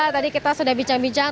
tadi kita sudah bincang bincang